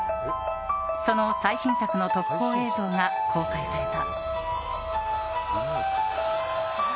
その最新作の特報映像が公開された。